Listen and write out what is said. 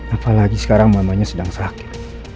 apalagi sekarang mamanya sedang sakit